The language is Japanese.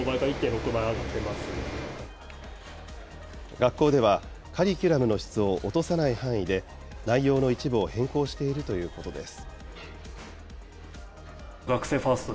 学校では、カリキュラムの質を落とさない範囲で、内容の一部を変更しているということです。